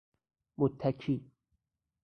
متکی